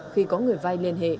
khi có người vai liên hệ